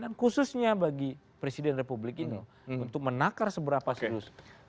dan khususnya bagi presiden republik ini untuk menakar seberapa serius